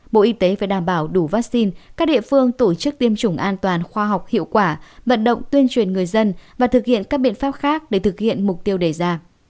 bộ y tế phải đảm bảo đủ vaccine các địa phương tổ chức tiêm chủng an toàn khoa học hiệu quả vận động tuyên truyền người dân và thực hiện các biện pháp khác để thực hiện mục tiêu đề ra